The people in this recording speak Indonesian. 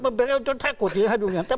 membayar untuk takut ya